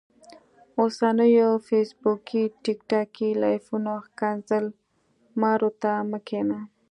اوسنيو فيسبوکي ټیک ټاکي لايفونو ښکنځل مارو ته مه کينه